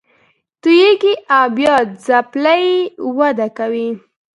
توییږي او بیا ځپلې وده کوي